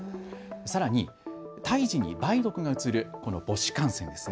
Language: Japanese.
さらに胎児に梅毒がうつる母子感染ですね。